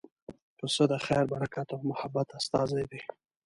پسه د خیر، برکت او محبت استازی دی.